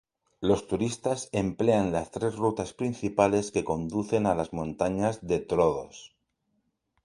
Los turistas emplean las tres rutas principales que conducen a las montañas de Troodos.